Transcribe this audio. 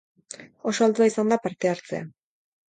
Oso altua izan da parte-hartzea.